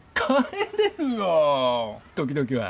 時々は。